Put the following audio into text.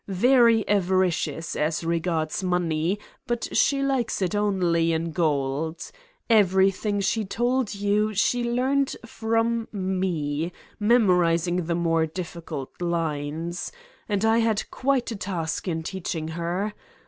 Very avaricious as regards money but she likes it only in gold. Everything she told you she learned from me, memorizing the more difficult lines. ... and I had quite a task in teaching her.